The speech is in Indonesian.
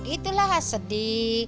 itulah yang sedih